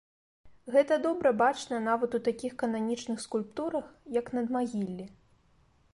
Гэта добра бачна нават у такіх кананічных скульптурах, як надмагіллі.